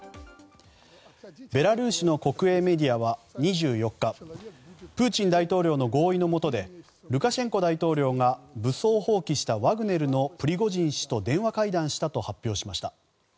ベラルーシの国営メディアは２４日プーチン大統領の合意の下でルカシェンコ大統領が武装蜂起したワグネルのプリゴジン氏と電話会談したと発表しました。